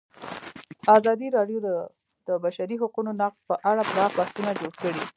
ازادي راډیو د د بشري حقونو نقض په اړه پراخ بحثونه جوړ کړي.